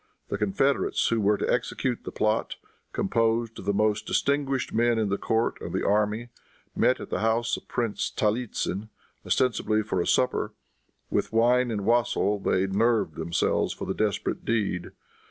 The confederates who were to execute the plot, composed of the most distinguished men in the court and the army, met at the house of Prince Talitzin ostensibly for a supper. With wine and wassail they nerved themselves for the desperate deed.